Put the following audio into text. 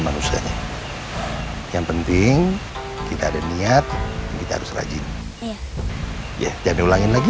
manusianya yang penting kita ada niat kita harus rajin ya jangan ulangin lagi